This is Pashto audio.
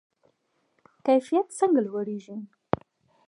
کیفیت څنګه لوړیږي؟